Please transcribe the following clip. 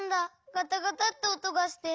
ガタガタっておとがして。